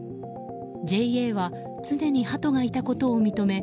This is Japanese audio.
ＪＡは常にハトがいたことを認め